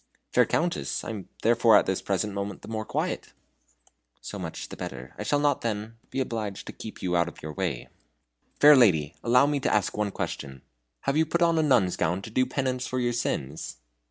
"Fair Countess, I am therefore at this present moment the more quiet." "So much the better. I shall not, then, be obliged to keep out of your way." "Fair lady, allow me to ask one question. Have you put on a nun's gown to do penance for your sins?"